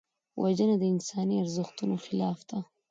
وژنه د انساني ارزښتونو خلاف ده